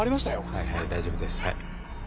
はいはい大丈夫ですはい。